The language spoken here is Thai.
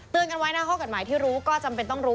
กันไว้นะข้อกฎหมายที่รู้ก็จำเป็นต้องรู้